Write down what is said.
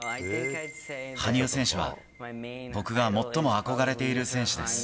羽生選手は、僕が最も憧れている選手です。